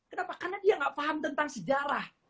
kenapa karena dia gak paham tentang sejarah